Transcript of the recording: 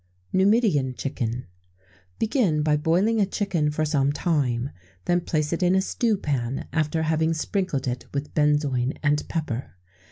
[XVII 33] Numidian Chicken. Begin by boiling a chicken for some time; then place it in a stew pan, after having sprinkled it with benzoin and pepper.